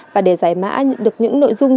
và để giải mã được những nội dung